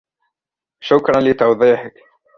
شكراً لتوضيحك.